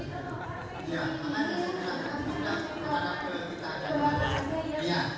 ya makanya kita menghadap ke sini aja